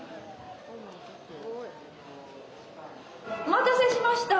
お待たせしました。